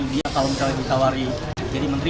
dia tahun kali ditawari jadi menteri